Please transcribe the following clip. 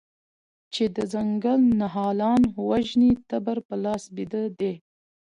چې د ځنګل نهالان وژني تبر په لاس بیده دی